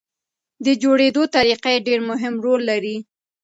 د جوړېدو طریقه یې ډېر مهم رول لري.